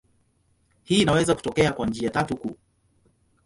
Hii inaweza kutokea kwa njia tatu kuu.